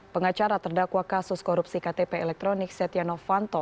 pengacara terdakwa kasus korupsi ktp elektronik setiano fanto